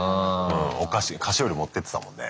お菓子菓子折持ってってたもんね。